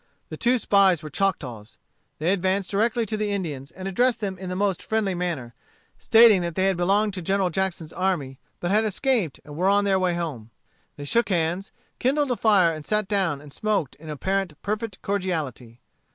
The two spies were Choctaws. They advanced directly to the Indians, and addressed them in the most friendly manner; stating that they had belonged to General Jackson's army, but had escaped, and were on their way home. They shook hands, kindled a fire, and sat down and smoked in apparent perfect cordiality.